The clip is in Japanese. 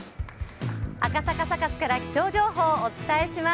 赤坂サカスから気象情報をお伝えします。